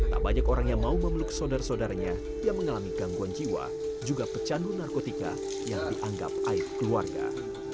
tak banyak orang yang mau memeluk saudara saudaranya yang mengalami gangguan jiwa juga pecandu narkotika yang dianggap aib keluarga